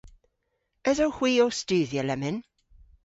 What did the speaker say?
Esowgh hwi ow studhya lemmyn?